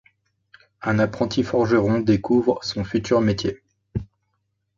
Un apprenti forgeron découvre son futur métier.